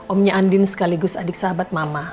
omnya andin sekaligus adik sahabat mama